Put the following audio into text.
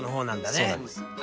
そうなんですはい。